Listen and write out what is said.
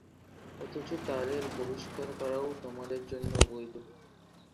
অথচ তাদের বহিস্কার করাও তোমাদের জন্য অবৈধ।